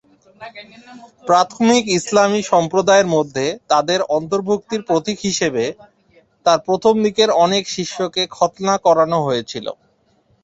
প্রাথমিক ইসলামী সম্প্রদায়ের মধ্যে তাদের অন্তর্ভুক্তির প্রতীক হিসাবে তাঁর প্রথম দিকের অনেক শিষ্যকে খৎনা করানো হয়েছিল।